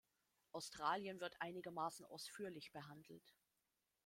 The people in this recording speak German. Australien wird einigermaßen ausführlich behandelt.